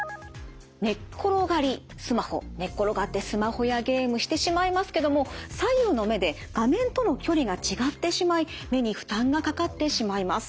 寝っ転がってスマホやゲームしてしまいますけども左右の目で画面との距離が違ってしまい目に負担がかかってしまいます。